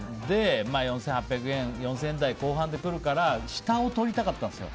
４８００円４０００円台後半で来るから下を取りたかったんですよ。